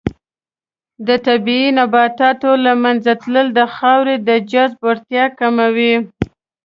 د طبیعي نباتاتو له منځه تلل د خاورې د جذب وړتیا کموي.